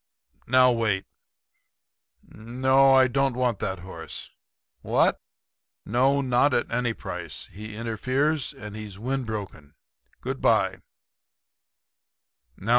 Now wait. No; I don't want that horse. What? No; not at any price. He interferes; and he's windbroken. Goodbye.'